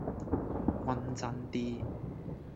均真啲